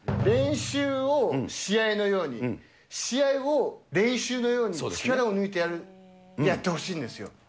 練習を試合のように、試合を練習のように力を抜いてやる、やってほしいんですよ。